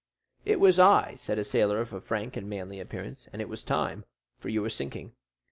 "It was I," said a sailor of a frank and manly appearance; "and it was time, for you were sinking."